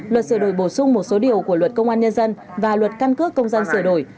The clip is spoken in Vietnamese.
luật sửa đổi bổ sung một số điều của luật công an nhân dân và luật căn cước công dân sửa đổi